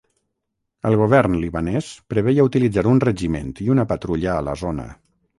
El govern libanès preveia utilitzar un regiment i una patrulla a la zona.